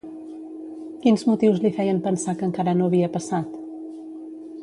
Quins motius li feien pensar que encara no havia passat?